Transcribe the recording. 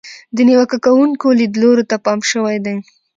د نیوکه کوونکو لیدلورو ته پام شوی دی.